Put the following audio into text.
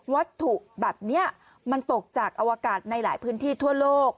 วัตถุแบบนี้มันตกจากอวกาศในหลายพื้นที่ทั่วโลก